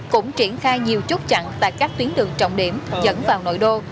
cũng triển khai nhiều chốt chặn tại các tuyến đường trọng điểm dẫn vào nội đô